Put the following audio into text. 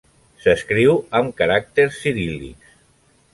S'escriu amb caràcters ciríl·lics.